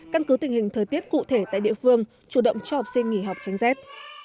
căn cứ tình hình thời tiết cụ thể tại địa phương chủ động cho học sinh nghỉ học tránh rét